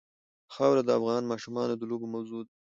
خاوره د افغان ماشومانو د لوبو موضوع ده.